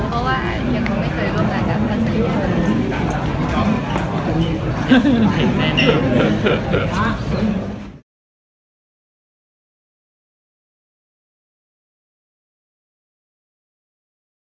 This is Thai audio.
ก็ว่าอย่างคงไม่เคยรู้แต่กลับกันใส่เย็น